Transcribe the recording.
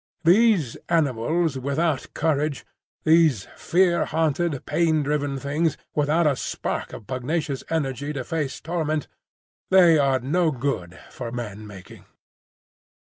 These animals without courage, these fear haunted, pain driven things, without a spark of pugnacious energy to face torment,—they are no good for man making.